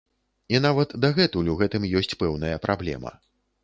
І нават дагэтуль у гэтым ёсць пэўная праблема.